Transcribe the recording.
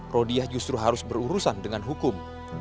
rodiah justru harus berurusan dengan hukum